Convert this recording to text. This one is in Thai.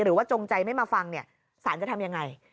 หรือว่าจงใจไม่มาฟังเนี้ยสารจะทำยังไง